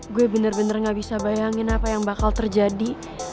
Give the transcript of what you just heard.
gue bener bener gak bisa bayangin apa yang bakal terjadi